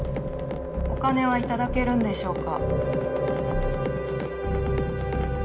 お金はいただけるんでしょうか？